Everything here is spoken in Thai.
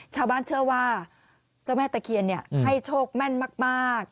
ชาวบ้านเชื่อว่าเจ้าแม่ตะเคียนให้โชคแม่นมาก